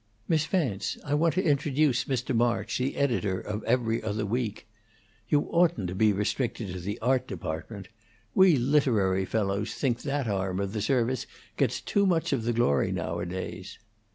"Miss Vance, I want to introduce Mr. March, the editor of 'Every Other Week.' You oughtn't to be restricted to the art department. We literary fellows think that arm of the service gets too much of the glory nowadays."